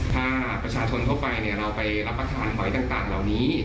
ถ้าประชาชนทั่วไปเราไปรับประทานหอยต่างเหล่านี้